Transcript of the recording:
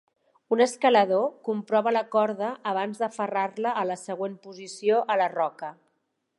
Un escalador comprova la corda abans d'aferrar-la a la següent posició a la roca.